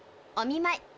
お見まい。